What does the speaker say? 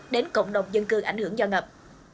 đến cộng đồng dân cư ảnh hưởng do ngập